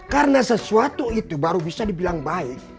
karena sesuatu itu baru bisa dibilang baik